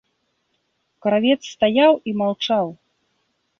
Кравец стаяў і маўчаў.